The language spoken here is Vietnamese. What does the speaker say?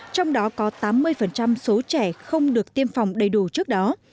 trong đó có tám mươi số trẻ không được tiêm phòng đầy đủ trước đó